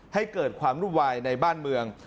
ให้เกิดความวุ่นวายในบ้านเมือง